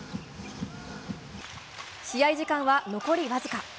試合時間は残りわずか。